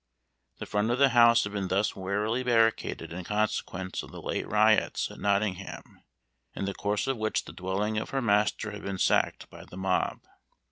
The front of the house had been thus warily barricaded in consequence of the late riots at Nottingham, in the course of which the dwelling of her master had been sacked by the mob.